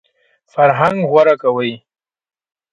فرهنګ غوره کوي.